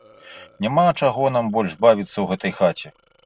Няма чаго нам больш бавіцца ў гэтай хаце.